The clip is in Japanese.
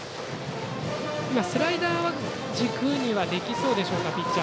スライダーは軸にはできそうでしょうか。